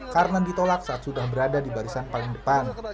karena ditolak saat sudah berada di barisan paling depan